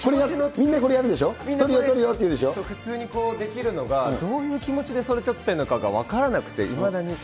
みんな、これやるでしょ、普通にできるのが、どういう気持ちでそれ撮ってんのかが分からなくて、いまだに。